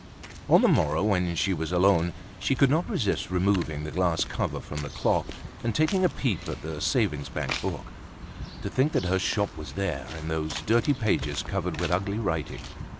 On the morrow, when she was alone, she could not resist removing the glass cover from the clock, and taking a peep at the savings bank book. To think that her shop was there, in those dirty pages, covered with ugly writing!